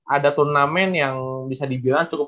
ada turnamen yang bisa dibilang cukup